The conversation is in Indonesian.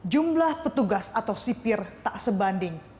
jumlah petugas atau sipir tak sebanding